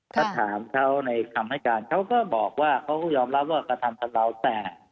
ถ้าถามเขาในคำให้การเขาก็บอกว่าเขาก็ยอมรับว่ากระทำกับเราแต่